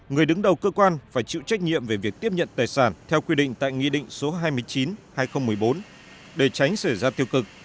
người đứng đầu cơ quan phải chịu trách nhiệm về việc tiếp nhận tài sản theo quy định tại nghị định số hai mươi chín hai nghìn một mươi bốn để tránh xảy ra tiêu cực